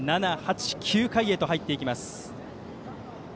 ７、８、９回へと入っていきます。